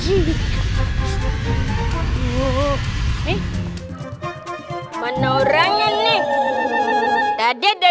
upin ada tiga